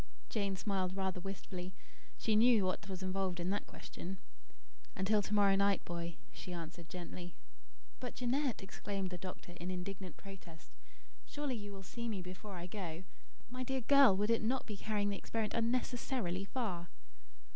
Jane smiled rather wistfully. She knew what was involved in that question. "Until to morrow night, Boy," she answered gently. "But, Jeanette," exclaimed the doctor, in indignant protest; "surely you will see me before I go! My dear girl, would it not be carrying the experiment unnecessarily far?"